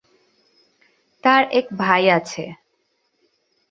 তার এক ভাই আছে।